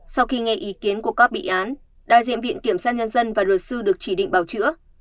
sau khi nghe ý kiến của các bị án đại diện viện kiểm sát nhân dân và luật sư được chỉ định bảo chữa